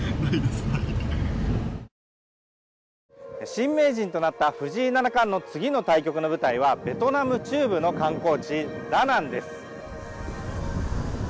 新名人となった藤井七冠の次の対局の舞台はベトナム中部の観光地ダナンです。